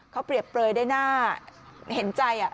เขาเปรียบเปลยได้น่าเห็นใจ